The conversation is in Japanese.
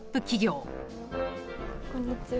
こんにちは。